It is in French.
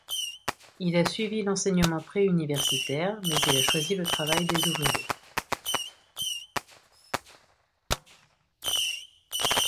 Il a suivi l'enseignement pré-universitaire, mais il a choisi le travail des ouvriers.